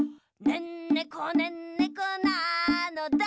「ねんねこ」「ねんねこなのだ」